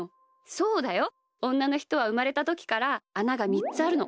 そうだよ。おんなのひとはうまれたときからあなが３つあるの。